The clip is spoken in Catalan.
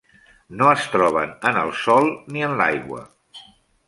No es troben en el sòl, ni en l'aigua.